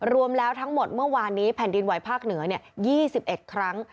รวมแล้วทั้งหมดเมื่อวานนี้แผ่นดินไหวภาคเหนือ๒๑ครั้ง